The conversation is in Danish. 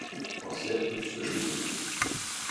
- hvor ser du sølle ud!